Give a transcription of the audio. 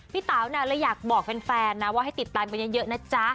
เต๋าเลยอยากบอกแฟนนะว่าให้ติดตามกันเยอะนะจ๊ะ